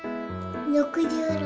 ６６。